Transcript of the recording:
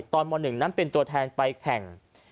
ม๑นั้นเป็นตัวแทนไปแข่ง